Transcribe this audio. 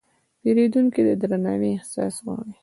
پیرودونکی د درناوي احساس غواړي.